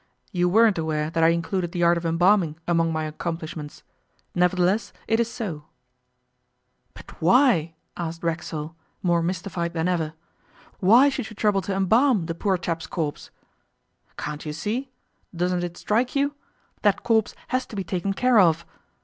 You weren't aware that I included the art of embalming among my accomplishments. Nevertheless, it is so.' 'But why?' asked Racksole, more mystified than ever. 'Why should you trouble to embalm the poor chap's corpse?' 'Can't you see? Doesn't it strike you? That corpse has to be taken care of.